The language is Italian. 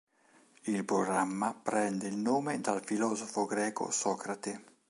Il programma prende il nome dal filosofo greco Socrate.